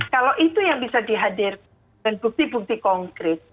kalau itu yang bisa dihadirkan dengan bukti bukti konkret